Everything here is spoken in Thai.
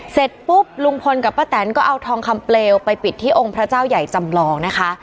เสร็จปุ๊บลุงพลกับป้าแตนก็เอาทองคำเปลวไปปิดที่องค์พระเจ้าใหญ่จำลองนะคะ